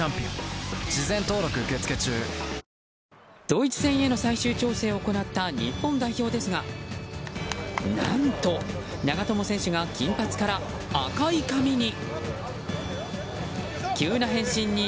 ドイツ戦への最終調整を行った日本代表ですが何と、長友選手が金髪から赤い髪に。